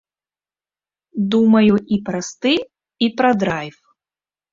Думаю і пра стыль, і пра драйв.